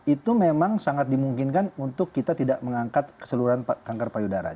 itu memang sangat dimungkinkan untuk kita tidak mengangkat keseluruhan kanker payudara